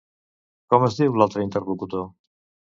Com es diu l'altre interl·locutor?